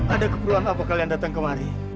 ada keperluan apa kalian datang kemari